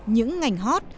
những ngành hot